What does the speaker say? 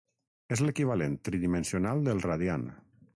És l'equivalent tridimensional del radian.